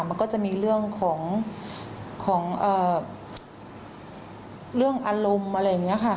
มันก็จะมีเรื่องของเรื่องอารมณ์อะไรอย่างนี้ค่ะ